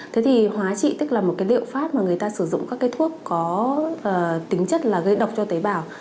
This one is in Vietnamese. thế thì hóa trị tức là một liệu pháp mà người ta sử dụng các thuốc có tính chất gây độc cho tế bào